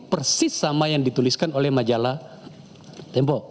persis sama yang dituliskan oleh majalah tempo